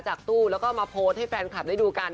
จากตู้แล้วก็มาโพสให้แฟนคลับดูกัน